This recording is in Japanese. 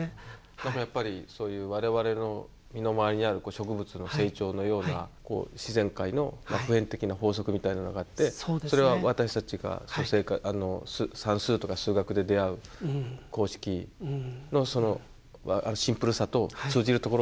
なんかやっぱりそういう我々の身の回りにある植物の成長のような自然界の普遍的な法則みたいなのがあってそれは私たちが算数とか数学で出会う公式のそのシンプルさと通じるところがあるっていう。